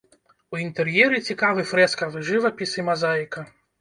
У інтэр'еры цікавы фрэскавы жывапіс і мазаіка.